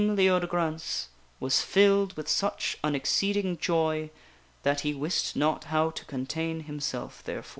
^^^^ Leode g rance was filled with such an exceeding joy that he wist not how to contain himself therefore.